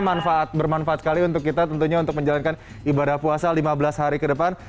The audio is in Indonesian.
manfaat bermanfaat sekali untuk kita tentunya untuk menjalankan ibadah puasa lima belas hari ke depan